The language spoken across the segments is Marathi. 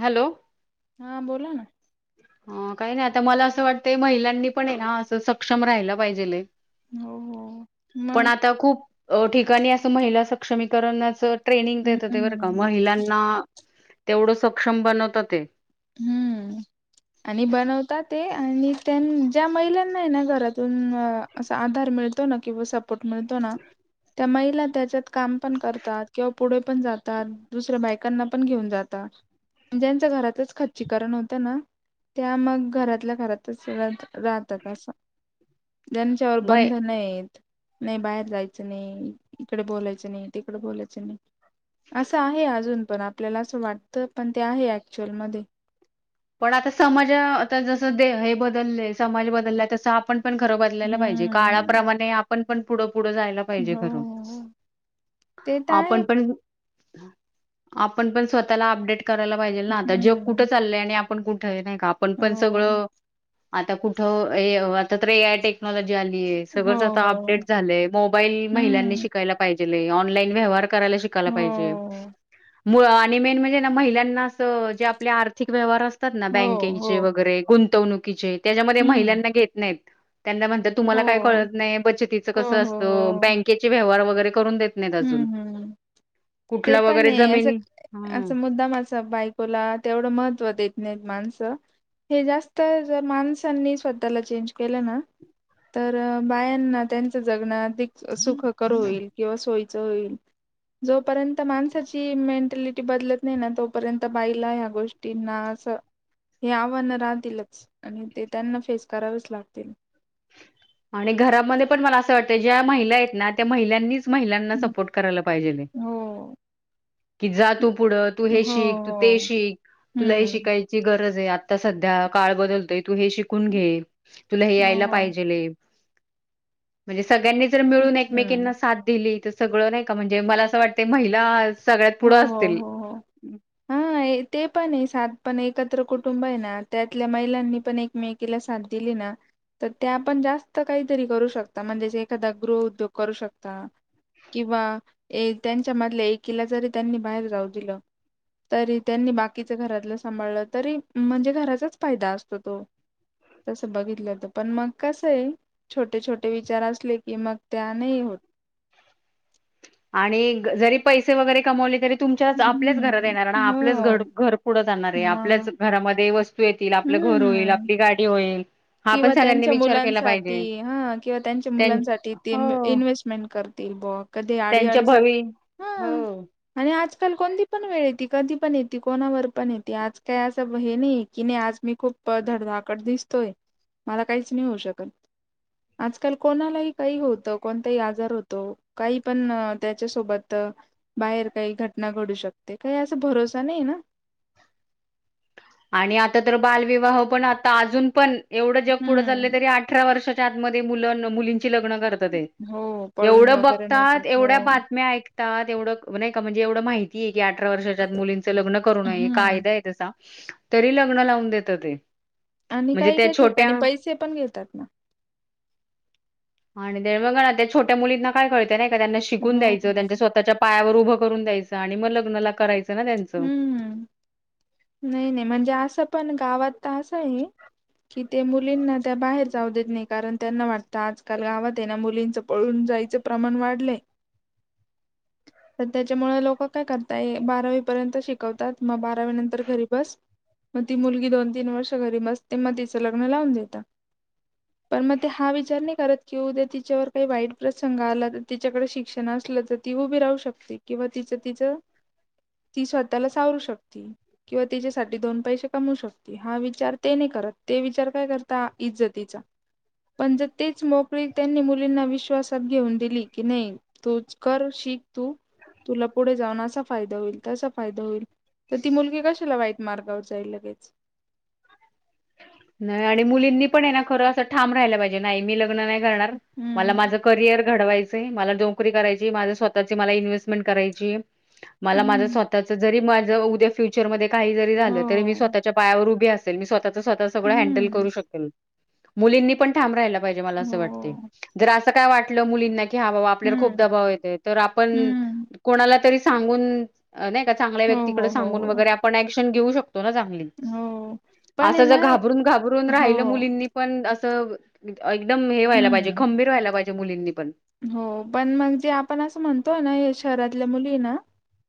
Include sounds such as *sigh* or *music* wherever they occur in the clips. हॅलो. हा बोला ना. ह काही नाही आता मला असं वाटतंय महिलांनी पण आहे ना असं सक्षम राहायला पाहिजेलय. हो हो. पण मग आता खूप अ ठिकाणी असं महिला सक्षमीकर अस ट्रेनिंग देत होते बरं का हम्म महिलांना तेवढं सक्षम बनवत ते. हम्म. आणि बनवत ते आणि त्यां ज्या महिलांना आहे ना घरातून अ असा आधार मिळतो ना किंवा सपोर्ट मिळतो ना त्या महिला त्याच्यात काम पण करतात किंवा पुढे पण जातात. दुसऱ्या बायकांना पण घेऊन जातात ज्यांचं घरातच खच्चीकरण होतं ना, त्या मग घरातल्या घरातच राहतात असं. जांच्यावर मय बंधन येत नाही बाहेर जायचं नाही, इकडे बोलायचं नाही तिकडे बोलायचं नाही असं आहे अजून पण. आपल्याला असं वाटतं पण ते आहे ऍक्च्युअल मध्ये. पण आता समाज आता जस ते हे बदलले, समाज बदललाय तस आपण पण खरं बदलायला पाहिजे. हम्म. काळाप्रमाणे आपण पण पुढं पुढं जायला पाहिजे हो खरं. हो ते तर आहे आपण पण आपण पण स्वतःला अपडेट करायला पाहिजे ना आता. जग कुठं हम्म. चाललंय आणि ण कुठ नाही का? आपण पण हो सगळं आता कुठ आता तर एआय टेक्नॉलॉजी आली ये. हो सगळंच आता हो अपडेट झालंय मोबाईल महिलांनी हम्म. शिकायला पाहिजेलेय. ऑनलाईन व्यवहार करायला शिकायला हो पाहिजे मु आणि मेन म्हणजे महिलांना अस जे आपले आर्थिक व्यवहार अस हो हो बँकेचे वगैरे गुंतवणुकीचे त्याच्यामध्ये हम्म. महिलांना घेत नाही त्यांना म्हण तुम्हाला हो काय कळत नाही बचतीचं हो कसं हो हो असतं. बँकेचे व्यवहार वगैरे करून देत नाहीत अजून. हम्म हम् ते कुठला पण वगैरे आहे. असं जमिनी हम्म. असं मुद्दामाच अस पाही तुला तेवढं महत्त्व देत नाही माणसं. हे जास्त जर माणसांनी स्वतःला चेंज केलं ना तर बायांना त्यांच जगणं अधिक सुखकर होईल किंवा सोयी *unintelligible* जोपर्यंत माणसाची मेंटॅलिटी बदलत नाही ना तोपर्यंत बाईला ह्या गोष्टी तिना असं हे आव्हान राहतीलच आणि ते त्यांना फेस करावेच लागतील. आणि घरामध्ये पण मला असं वाटतं ज्या महिला आहेत ना त्या महिलांनीच महिलांना सपोर्ट कराला पाहिजे हो की जा तू पुढ तू हो हे शिक तू ते हो शिक तुला हे हम्म. शिकायच गरज आहे. आता सध्या काळ बदलतोय तू हे शिकून घे तुला हे हो यायला हो म्हणजे सगळ्यांनी जर मिळून हम्म एकमेकीना साथ दिली सगळं नाही का, म्हणजे मला असं वाटत महिला सगळ्यात हो पुढं हो असतील. हो हो. हा ते पण आहे सात पण एकत्र कुटुंब आहे ना त्यातल्या महिलांनी पण एकमेकीला साथ दिली ना तर ते आपण जास्त काहीतरी करू शकता. म्हणजे एखादा गृह उद्योग करू शकता किंवा त्यांच्यामधल्या एकीला जरी त्यांनी बाहेर जाऊ दिलं तरी त्यांनी बाकीच घरातलं सांभाळलं तरी म्हणजे घराचाच फायदा असतो तो. तसं बघितलंत पण मग कसंये छोटे छोटे विचार असले की मग त्या नाही होत आणि जरी पैसे वगैरे कमवले तरी तुमच्या आपल्याच घरात हम्म येणार ना? आपलंच हो घर घर पुढं जानार आहे आपल्याच मग घरामध्ये वस्तू येतील आपलं घर होईल, हम्म आपली गाडी होईल हा पण किंवा सगळ्यांनी त्यांच्या विचार केला मुलांसाठी पाहिजे हा किंवा त्यांच्या त्यां मुलांसाठी ते हो इन्व्हेंट करतील बुवा कधी त्यांच्या अडीआडच भवी हो आणि आजकाल कोणती पण वेळ येते. कधी पण येते. कोणावर पण येते. आज काही असं हे नाही की नाही आज मी खूप धडधाकट दिसतोय मला काहीच नाही होऊ शकत. आजकाल कोणालाही काही होतं. कोणताही आजार होतो. काही पण त्याच्यासोबत बाहेर काही घटना घडू शकते. काही असा भरोसा नाही ना. आणि आता तर बालविवाह पण आता अजून पण एवढं जग पुढं चाललं हम्म तरी अठरा वर्षाच्या आतमध्ये मु मुलींची लग्न ते हो पळून एवढं वगैरे नेतात बघतात हो एवढ्या बातम्या ऐकात आ तेवढं नाही का म्हणजे एवढं माहितीय आहे की अठरा वर्षाच्यात मुलींचं लग्न करू नये हम्म कायदा आहे तसा. तरी लग्न लावून देत ते. म्हणजे त्या छोट्या चे पण घेतात. आणि ते मग ना त्या छोट्या मुलींना काय कळत नाही का. त्यांना शिकून हो द्यायचं त्यांच्या स्वतःच्या पायावर उभं करून द्यायचं आणि मग लग्नला करा हम्मम. नाही नाही म्हणजे असं पण गावात तास आहे. ते मुलींना त्या बाहेर जाऊ देत नाही कारण त्यांना वाटतं आजकाल गावात आहे ना मुलींचं पळून जायचं प्रमाण वाढलंय. *inaudible* तर त्याच्यामुळे लोक काय करताय बारावी र्यंत शिकवतात मग बारावी नंतर घरी बस. मग ती मुलगी दोन तीन वर्ष घरी बसते मग तिचं लग्न लावून देतात. *inaudible* पण मग ते हा विचार नाही करत की उद्या तिच्यावर काही वाईट प्रसंग आला तर तिच्याकडे शिक्षण असलं तर ती उभी राहू शकते. किंवा तिचं तिचं ती स्वतःला सावरू शकते. किंवा त्याच्यासाठी दोन पैसे कमू शकते. हा विचार ते नाही करत ते विचार काय करता इज्जतीचा. *inaudible* पण ज तेच मोकळीक त्यांनी मुलींना विश्वासात घेऊन दिली की नाही तूच कर शिक तू. तुला पुढे जाऊन असा फायदा होईल तसा फायदा होईल तर ती मुलगी कशाला वाईट मार्गावर जाईल लगेच. नाही. आणि मुलींनी पण आहे ना खरं असं ठाम राहायला पाहिजे नाही मी लग्न नाही करणार मला हम्म माझं करियर घडवायचे मला नोकरी करायची माझे स्वतःची मला इन्व्हेस्टमेंट करायची. मला माझ हम्म स्वतःच जरी माझ उद्या फ्युचरमध्ये काही जरी हो झालं तरी मी स्वतः च्या पायावर उभी असेल. मी स्वःच स्वतः सगळं हँडल करू हम्म शकेल. मुलींनी पण ठाम राहायला पाहिजे मला असं वाटते. हो जर असं काय वाटलं मुलींना की हा बाबा आपल्याला खूप हम्म दबाव येते. तर आपण हम्म कोणाला तरी सांगून नाही का चांगल्या हो व्यक्तीकडे हो हो सांगून हो वगैरे आपण अँक्शन घेऊ शकतो ना चांगली. हो. पण असं हेना जर घाबरून- घाबरून राहिलं मुलींनी पण असं एकदम हे व्हायला पाहिजे हम्म खंबीर व्हायला पाहिजे. मुलींनी पण. हो पण मग जे आपण असं म्हणतोय ना शहरातल्या मुली ना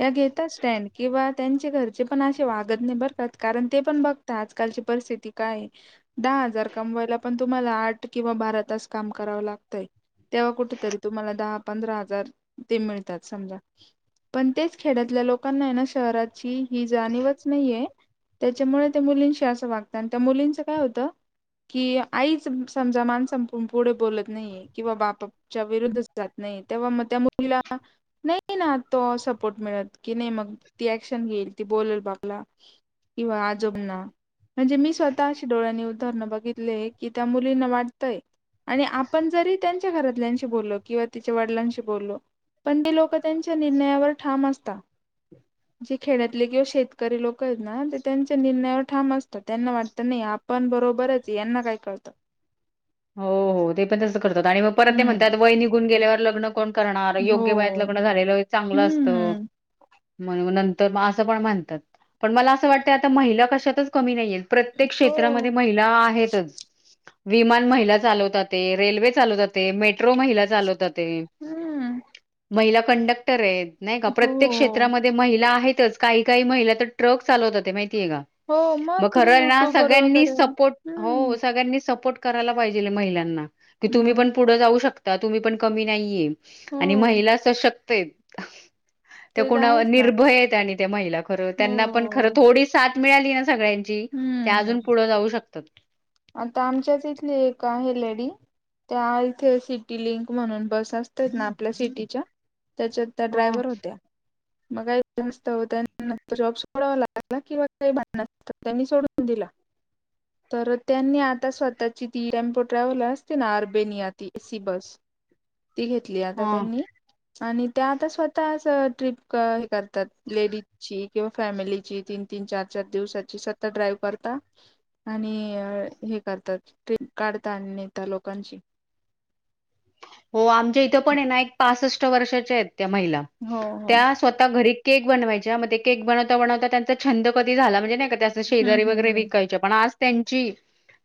या घेतात स्टँड किंवा त्यांचे घरचे पण असे वागत नाही बरं का कारण ते पण बघ आजकालची परिस्थिती काय आहे. दहा हजार कमवायला पण तुम्हाला आठ किंवा बारा तास काम करावं लागतंय. तेव्हा कुठ तरी तुम्हाला दहा पंधरा हजार ते मिळतात समजा. पण तेच खेड्यातल्या लोकांना ना शहराची ही जाणीवच नाहीये. त्याच्यामुळे ते मुलींशी असं वागतात आणि त्या मुलींचं काय होतं कि आईच समजा माणसांपुढे बोलत नाहीये किंवा बा च्या विरुद्धच जात नाही तेव्हा मग त्या मुलीला नाही ना तो सपोर्ट मिळत की, नाही मग ती ऍक्शन घेईल ती बोलेल बापला. किंवा आजोबांना. म्हणजे मी स्वतः अशी डोळ्यांनी उदाहरणं बघितले की त्या मुलींना वाटतंय. आणि आपण जरी त्यांच्या घरातल्याशी बोलो किंवा तिच्या वडिलांशी बोललो पण ते लोक त्यांच्या निर्णयावर ठाम असता *inaudible* जे खेड्यातले किंवा शेतकरी लोक आहेत ना ते त्यांच्या निर्णयावर ठाम असतात त्यांना वाटत नाही पण बरोबरच यांना काय कळतं. हो हो ते पण तसंच करतात आणि मग परत ते हम्म म्हणतात वय निघून गेल्यावर लग्न कोण करणार हो योग्य वयात लग्न झालेलं चांगलं असत. हम्म. मग नंतर असं पण म्हणतात पण मला असं वाटतं आता महिला कशातच कमी नाहीयेत. प्रत्येक हो क्षेत्रामध्ये महिला आहेतच विमान महि चालवता ते, रेल्वे चालवता ते, मेट्रो महिला चालवतात. हम्म. महिला कंडक्टर आहेत नाही का प्रत्येक हो क्षेत्रामध्ये महिला आहेतच काही काही महिला तर ट्रक चालवतात माहितीय का? हो मग तुम्ही खरय ना युट्यूब वर सगळ्यांनी वगैरे सपोर्ट हो हम्म सगळ्यांनी सपोर्ट करायला पाहिजे महिलांना की तुम्ही मग पण पुढे जाऊ शकता तुम्ही पण कमी नाहीये. हो आणि महिला सशक्त आहेत. त्या ते तर कुणा आहेच ना निर्भय आहेत आणि ते महिला खरं हो त्यांना पण हो खरं थोडी साथ मिळाली ना सगळ्यांची त्या हम्म अजून हम्म. पुढे जाऊ शकत आता आमच्याच इथली एक आहे लेडी त्या इथे सिटी लिंक म्हणून बस असतेत ना आपल्या सिटीच्या त्याच्यात त्या हं, ड्रायव्हर होत्या. मग काही कारणास्तव त्यांना नंतर जॉब सोडावा लागला किंवा काही भांडणं त्यांनी सोडून दिला. तरत त्यांनी आता स्वतःची ती टेम्पो ट्रॅव्हल असते ना अर्बेनी यात एसी बस ती घेतली आता हं. त्यांनी आणि त्या आता स्वतःच ट्रिप हे कर करतात लेडीजची. किंवा फॅमिलीची तीन तीन चार चार दिवसाची स्वतः ड्राईव्ह करता आणि हे करतात ट्रिप काढता आणि त्या लोकांची. हो आमच्या इथं पण आहे ना एक पासष्ट वर्षाच्या आहेत त्या महिला हो हो. स्वःता घरी केक बनवायच्या मग ते केक बनवता बनवता त्यांचा छंद कधी झाला म्हणजे नाही का त्या शेजारी हम्म वगैरे हम्म विकायच्या पण आज त्यांची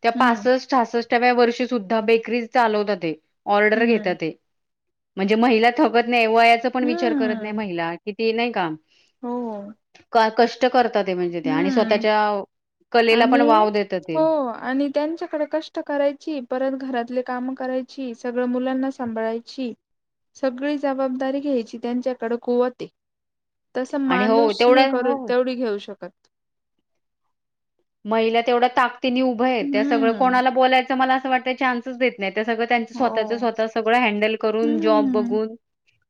त्या हम्म पासष्ट, सहासष्ट अव्या वर्षी सुद्धा बेकरी चालवतात ऑर्डर घेतात हम्म ते म्हणजे महिला थकत नाही, वयाचा पण हम्म विचार करत नाही हम्म महिला किती नाही का हो का कष्ट करतातय ते म्हणजे ते आणि हम्म स्वतःच्या कलेला पण आणि वाव देत ते. हो आणि त्यांच्याकडे कष्ट करायची, परत घरातले काम करायची, सगळं मुलांना सांभाळायची. सगळी जबाबदारी घ्यायची त्यांच्याकडे कुवतय. तस आणि हो माणूस नाही तेवढ्या करू हो तेवढी घेऊ शकत. महिला तेवढ्या ताकतीने उभं आहे, त्या सगळं हम्म कोणाला बोलायचं मला असं वाटत चान्सच देत नाही त्या सगळं. त्यांच स्वतःच हो. स्वतः सगळं हँडल करून जॉब हम्म बघून.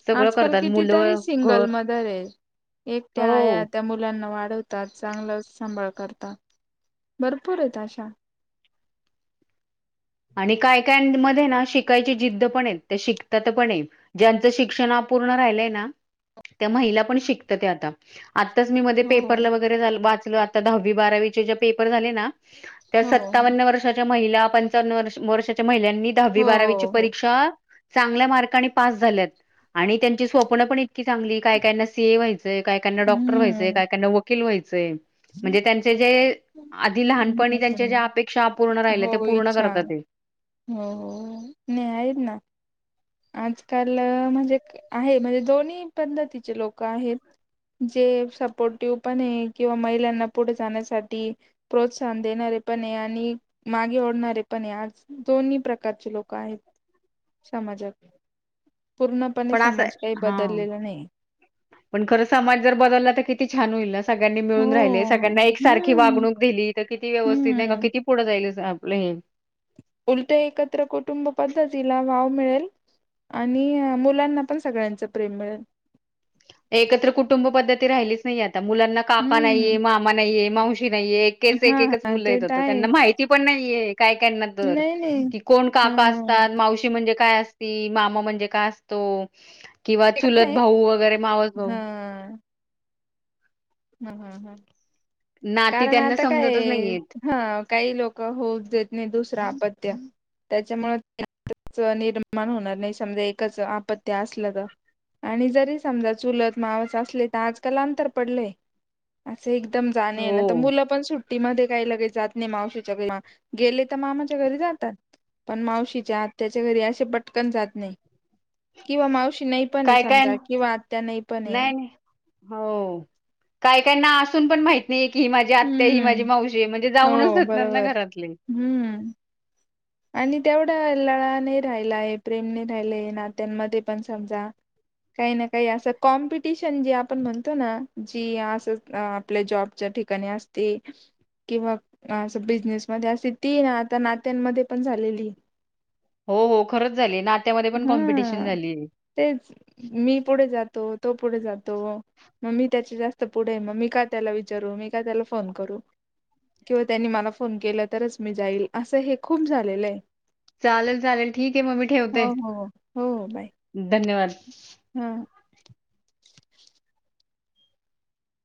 सगळं आजकाल करतात कितीतरी मुलं घर सिंगल मदर आहे. एकट्या आया हो त्या मुलांना वाढवत चांगलं सांभाळ करतात भरपूर येत अशा. आणि काय काय मध्ये ना शिकायची जिद्द पण आहेत ते शिकतात पण आहे. ज्यांचं शिक्षण अपूर्ण राहिलंय ना त्या महिला पण शिकतात आता. आत्ताच मी मध्ये हो पेपरला वगैरे झा वाचलो आता दहावी बारावीचे जे पेपर झाले ना. त्या हो हो सत्तावन्न वर्षाच्या महिला पंचावन्न वर्षाच्या महिलांनी दहावी हो बारावीची हो परीक्षा चांगल्या मार्काने पास झाल्यात आणि त्यांची स्वप्न पण इतकी चांगली काय कायना सी ए व्हायचं. का डॉक्टर व्हाय हम्म काय वकील व्हायचे म्हणजे त्यांचे जे आधी लहान त्यांच्या ज्या हम्म अपेक्षापूर्ण हो राहिल्या पूर्ण कर- इच्छा हो नाही आहेतेत ना. आजकाल म्हणजे आहे म्हणजे दोन्ही पद्धतीचे लोकं आहेत. जे सपोर्टिव पण किंवा महिलांना पुढे जाण्यासाठी प्रोत्साहन देणारे पण आहे आणि मागे ओढणारे पण आहे आज. दोन्ही प्रकारचे लोक आहेत समाजाात. पूर्णपणे पण असं समाज काही हा बदललेला नाही. पण खरं समाज जर बदलला तर कि छान होईल ना सगळ्यांनी हो मिळून राहिले सगळ्यांना एक सारखी हम्म वागणूक दिली. किती व्यवस्थित नाही का हम्म किती? पुढं जाईल आपलं हे. उलट एकत्र कुटुंब पद्धतीला वाव मिळेल. आणि मुलांना पण सगळ्यांच प्रेम मिळेल. एकत्र कुटुंब पद्धती राहिलीच नाही आता मुलांना काका, नाहीये हम्म मामा, नाहीये मावशी, नाहीये हा एकच हा मुलं ते येत तर होत आहे त्यांना माहित ती पण नाहीये काय काना तर नाही नाही कि कोण काका हम्म असतात मावशी म्हणजे काय असं मामा म्हणजे काय असतो किंवा चुलत भाऊ वगैरे मावस भाऊ. हम ह ह ह नाती कारण त्यांना आता काय? समजतच नाहीयेत. हा काही लोक होऊत देत नाही दुसरं अत्य त्याच्यामुळ निर्माण होणार नाही समजा एकच आपत्त्या असलं ग. आणि जरी समजा चुलत मावस असले तर आजकाल अंतर पडलंय. असे एकदम जाणे आहे ना तर हो. मुलं पण सुट तीमध्ये काही लगेच जात नाही मावशीच्या घरी गेले तर मामाच्या घरी जातात. पण मावशीच्या आत्याच्या घरी असे पटकन जात नाही. किंवा मावशी नाही पण आहे काय काय समजा किंवा आत्या नाही पण आहे. हो काय काहीना असून पण माहिती क ही माझी आत्या ही माझी हम्म मावशी म्हणजे जाऊनच हो होेतणार ना बरोबर घरातले. हम्म. आणि तेवढा लळा नाही राहिलाय प्रेम नाही राहिलाय नात्यांमध्ये पण समजा. काही ना काही असं कॉम्पिटिशन जे आपण म्हणतो ना जी असं. अ आपल्या जॉबच्या ठिकाणी असते. किंवा असं बिझनेसमध्येध्ये असे तीन आता नात्यांमध्ये पण झालेली. हो हो खरंच झाली नात्यामध्ये पण कॉम्पिटिशन हा झालीय. तेच मी पुढे जातो तो पुढे जातो. मग मी त्याचे जास्त पुढे मग मी काय त्याला विचारू मी काय त्याला फोन करू. किंवा त्यांनी मला फोन केला तरच मी जाईल असं हे खूप झालेलं आहे. चालेल चालेल ठीक आहे मग मी ठेवते. हो हो धन्यवाद! हम्म.